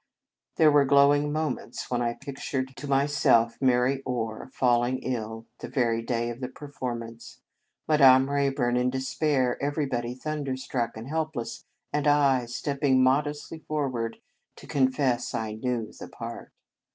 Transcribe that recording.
There were glowing moments when I pic 54 The Convent Stage tured to myself Mary Orr falling ill the, very day of the performance, Ma dame Rayburn in despair, everybody thunderstruck and helpless, and I stepping modestly forward to confess I knew the part.